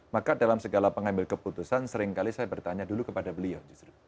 maka dalam segala pengambil keputusan seringkali saya bertanya dulu kepada beliau